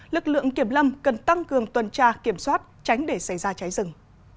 lực lượng kiểm lâm cần tăng cường tuần tra kiểm soát tránh để xảy ra cháy rừng